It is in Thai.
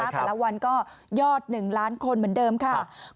แต่ละวันก็ยอด๑ล้านคนเหมือนเดิมค่ะ